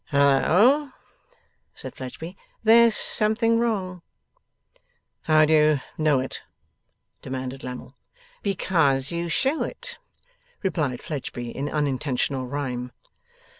'Halloa!' said Fledgeby. 'There's something wrong!' 'How do you know it?' demanded Lammle. 'Because you show it,' replied Fledgeby in unintentional rhyme.